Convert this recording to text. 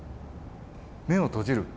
目を閉じる。